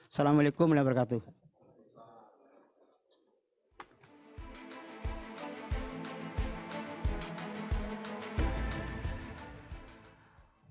assalamualaikum warahmatullahi wabarakatuh